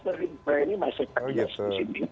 pernah ini masih pekerja di sini